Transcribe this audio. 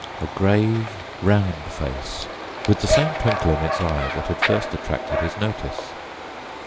A grave round face, with the same twinkle in its eye that had first attracted his notice.